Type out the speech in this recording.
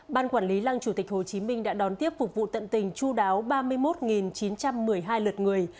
ban quản lý lăng chủ tịch hồ chí minh đã đón tiếp phục vụ tận tình chú đáo ba mươi một chín trăm một mươi hai lượt người